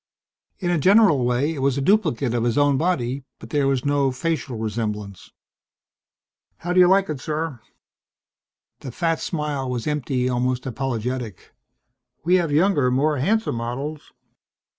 In a general way it was a duplicate of his own body, but there was no facial resemblance. "How do you like it, sir?" The fat smile was empty, almost apologetic. "We have younger, more handsome models...."